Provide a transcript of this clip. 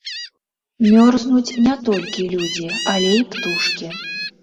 Мёрзнуць не толькі людзі, але і птушкі.